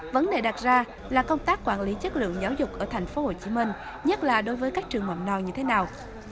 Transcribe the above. vấn đề đặt ra là công tác quản lý chất lượng giáo dục ở thành phố hồ chí minh nhất là đối với các trường mầm non như thế nào